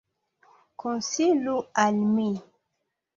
Konsilu al mi.